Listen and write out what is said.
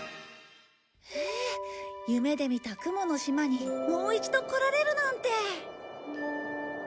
夢で見た雲の島にもう一度来られるなんて。